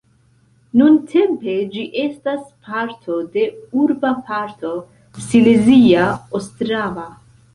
Nuntempe ĝi estas parto de urba parto Silezia Ostrava.